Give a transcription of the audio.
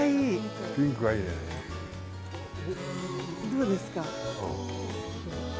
どうですか？